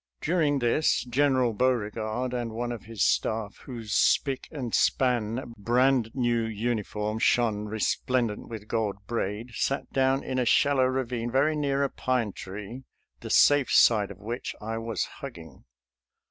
During this General Beauregard, and one of his staff whose spick and span, brand new uniform shone resplendent with gold braid, sat down in a shallow ravine very near a pine tree, the safe side of which I was hugging.